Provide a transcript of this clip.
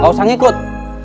gak usah ngikut